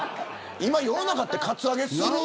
今、世の中ってカツアゲする。